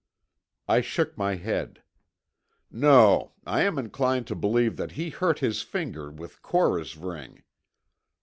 I shook my head. "No, I am inclined to believe that he hurt his finger with Cora's ring.